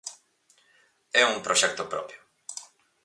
É un proxecto propio.